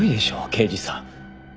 刑事さん。